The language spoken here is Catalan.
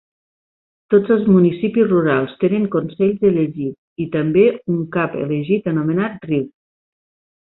Tots els municipis rurals tenen consells elegits, i també un cap elegit anomenat "reeve".